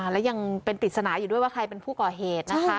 และยังเป็นปริศนาอยู่ด้วยว่าใครเป็นผู้ก่อเหตุนะคะ